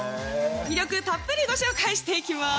魅力たっぷりご紹介していきまーす